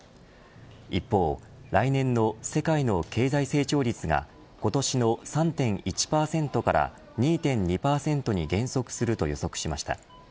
一方、来年の世界の経済成長率が今年の３．１％から２．２％に減速すると予測しました。